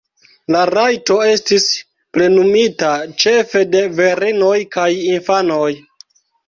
La rajto estis plenumita ĉefe de virinoj kaj infanoj.